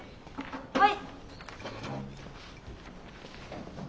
はい。